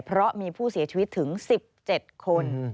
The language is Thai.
เพราะมีผู้เสียชีวิตถึง๑๗คน